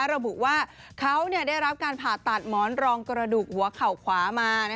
ระบุว่าเขาได้รับการผ่าตัดหมอนรองกระดูกหัวเข่าขวามา